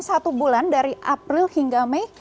satu bulan dari april hingga mei